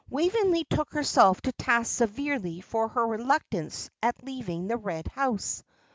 Waveney took herself to task severely for her reluctance at leaving the Red House.